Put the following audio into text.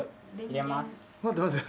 待って待って。